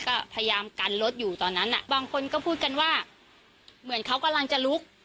ก็พยายามกันรถอยู่ตอนนั้นอ่ะบางคนก็พูดกันว่าเหมือนเขากำลังจะลุก